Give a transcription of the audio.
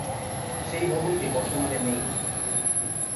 সেই ভবনটি বর্তমানে নেই।